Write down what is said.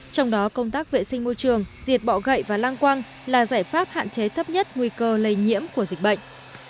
trong đó công tác vệ sinh môi trường diệt bọ gậy và lang quang là giải pháp hạn chế thấp nhất nguy cơ lây nhiễm của dịch bệnh